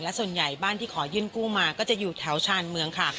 ส่วนใหญ่บ้านที่ขอยื่นกู้มาก็จะอยู่แถวชาญเมืองค่ะ